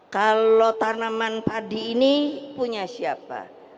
kalau tanaman padi ini punya siapa